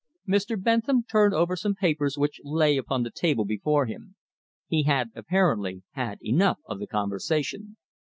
Mr. Bentham turned over some papers which lay upon the table before him. He had apparently had enough of the conversation.